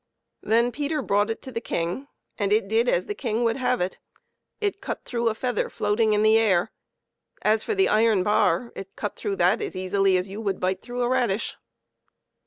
Then Peter brought it to the King, and it did as the King would have it it cut through a feather floating in the air; as for the iron bar, it cut through that as easily as you would bite through a radish.